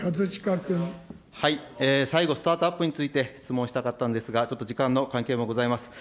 最後、スタートアップについて質問したかったんですが、ちょっと時間の関係もございます。